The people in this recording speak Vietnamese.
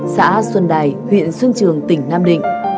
xã xuân đài huyện xuân trường tỉnh nam định